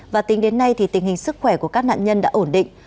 và tính đến nay tình hình sức khỏe của các nạn nhân đã ổn định